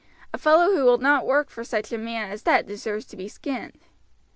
A fellow who will not work for such a man as that deserves to be skinned."